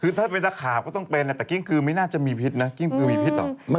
คือถ้าเป็นนักข่าวก็ต้องเป็นแต่กิ้งคือไม่น่าจะมีพิษนะกิ้งคือมีพิษเหรอ